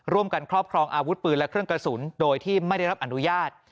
ครอบครองอาวุธปืนและเครื่องกระสุนโดยที่ไม่ได้รับอนุญาต